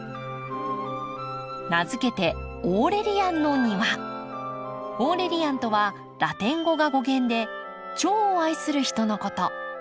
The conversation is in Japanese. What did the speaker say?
名付けてオーレリアンとはラテン語が語源で「チョウを愛する人」のこと。